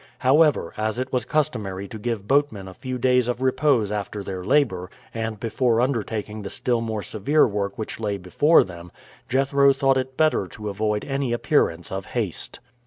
However, as it was customary to give boatmen a few days of repose after their labor, and before undertaking the still more severe work which lay before them, Jethro thought it better to avoid any appearance of haste.